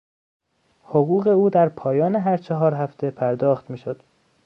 حقوق او در پایان هر چهار هفته پرداخت میشد.